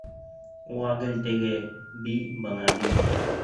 Уға гел тегене «би», быны «би».